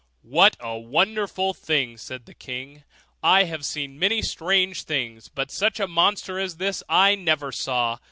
'What a wonderful thing!' said the king; 'I have seen many strange things, but such a monster as this I never saw.